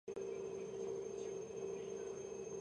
თითო სარკმელია გვერდის აღმოსავლეთ ბოლოებში.